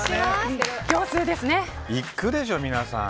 行くでしょ、皆さん。